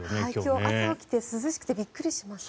今日、朝起きて涼しくてびっくりしました。